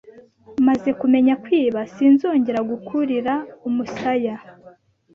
Maze kumenya kwiba sinzongera kugukurira umusaya.